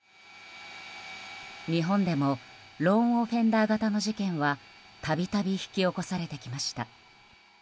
日本でもローン・オフェンダー型の事件はたびたび引き起こされてきました。